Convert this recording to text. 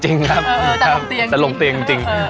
จริงครับแต่โรงเตียงจริง